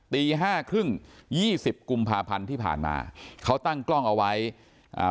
ตีห้าครึ่งยี่สิบกุมภาพันธ์ที่ผ่านมาเขาตั้งกล้องเอาไว้อ่า